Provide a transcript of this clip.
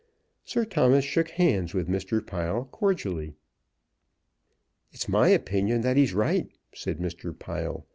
Sir Thomas shook hands with Mr. Pile cordially. "It's my opinion that he's right," said Mr. Pile.